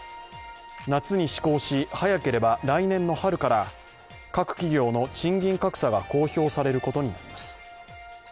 夏に施行し、早ければ来年の春から各企業の賃金格差が公表されることになります。